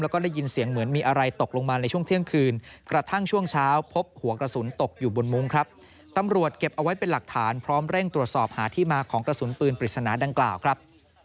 กดเก็บเอาไว้เป็นหลักฐานพร้อมเร่งตรวจสอบหาที่มาของกระสุนปืนปริศนาดังกล่าวครับ